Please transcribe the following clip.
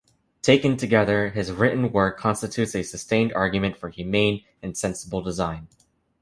Taken together, his written work constitutes a sustained argument for humane and sensible design.